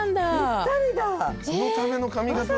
そのための髪形だった。